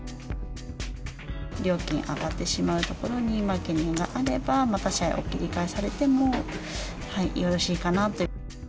料金上がってしまうところに懸念があれば、他社へお切り替えされてもよろしいかなという。